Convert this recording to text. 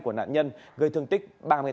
của nạn nhân gây thương tích ba mươi tám